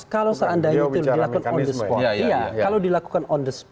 kalau seandainya itu dilakukan